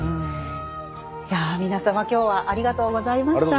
いや皆様今日はありがとうございました。